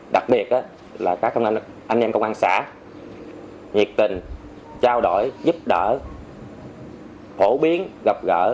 đặc biệt là các anh em công an xã nhiệt tình trao đổi giúp đỡ phổ biến gặp gỡ